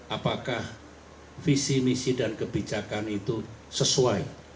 apakah visi misi dan kebijakan itu sesuai